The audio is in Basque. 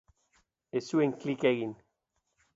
Ez zuen klik egin.